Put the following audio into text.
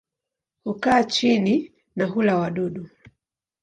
Hukaa chini na hula wadudu.